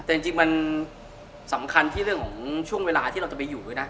แต่จริงมันสำคัญที่เรื่องของช่วงเวลาที่เราจะไปอยู่ด้วยนะ